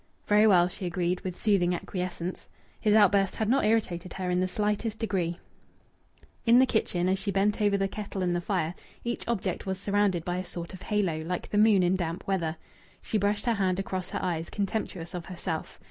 "Very well," she agreed, with soothing acquiescence. His outburst had not irritated her in the slightest degree. In the kitchen, as she bent over the kettle and the fire, each object was surrounded by a sort of halo, like the moon in damp weather. She brushed her hand across her eyes, contemptuous of herself.